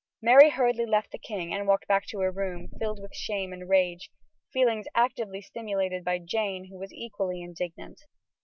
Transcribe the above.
Mary hurriedly left the king and walked back to her room, filled with shame and rage; feelings actively stimulated by Jane, who was equally indignant.